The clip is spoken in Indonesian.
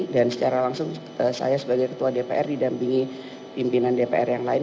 dan secara langsung saya sebagai ketua dpr didampingi pimpinan dpr yang lain